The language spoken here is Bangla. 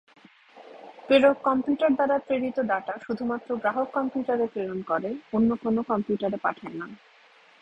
প্রেরক কম্পিউটার দ্বারা প্রেরিত ডাটা শুধুমাত্র গ্রাহক কম্পিউটারে প্রেরণ করে অন্য কোনো কম্পিউটারে পাঠায় না।